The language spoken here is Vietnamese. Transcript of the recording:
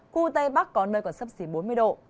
khu tây bắc có nơi còn sấp xỉ bốn mươi độ